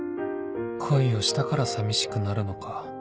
恋をしたから寂しくなるのか